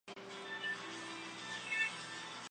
一直到了前两天